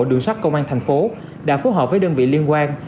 đường sát công an thành phố đã phối hợp với đơn vị liên quan